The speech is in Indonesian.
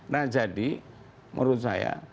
nah jadi menurut saya